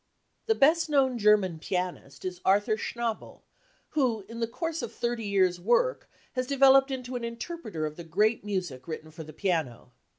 55 The best known German pianist is Arthur Schnabel, who in the course of thirty years work has developed into an interpreter of the great music written for the piano.